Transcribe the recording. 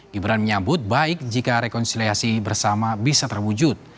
gibran menyambut baik jika rekonsiliasi bersama bisa terwujud